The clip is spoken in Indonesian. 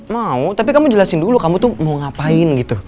mau tapi kamu jelasin dulu kamu tuh mau ngapain gitu